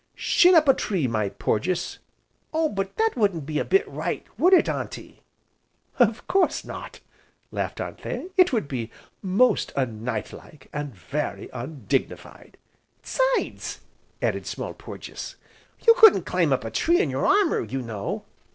"Shin up a tree, my Porges." "Oh but that wouldn't be a bit right would it, Auntie?" "Of course not!" laughed Anthea, "it would be most un knight like, and very undignified." "'Sides," added Small Porges, "you couldn't climb up a tree in your armour, you know."